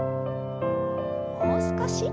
もう少し。